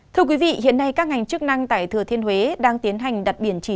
thưa quý vị hiện nay các ngành chức năng tại thừa thiên huế đang tiến hành đặt biển chỉ